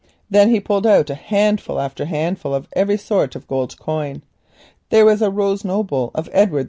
Then he pulled out handful after handful of every sort of gold coin. There were Rose Nobles of Edward IV.